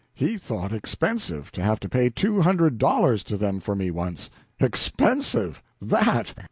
He thought it expensive to have to pay two hundred dollars to them for me once. Expensive that!